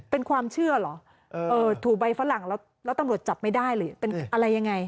เป็นความเชื่อเหรอถูใบฝรั่งแล้วตำรวจจับไม่ได้หรือเป็นอะไรยังไง